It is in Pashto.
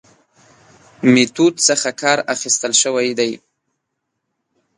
میتود څخه کار اخستل شوی دی.